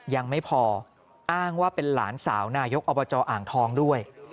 ยังไม่พออ้างว่าเป็นหลานสาวนายกอบจอ่างทองด้วย